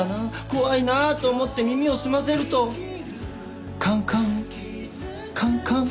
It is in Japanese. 怖いな」と思って耳を澄ませると「カンカンカンカン」。